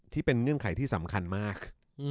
ที่เป็นเงื่อนไขที่สำคัญมาก